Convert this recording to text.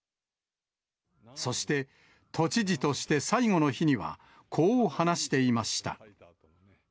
そして、都知事として最後の日には、こう話していました。